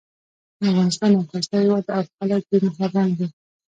افغانستان یو ښایسته هیواد ده او خلک یې مهربانه دي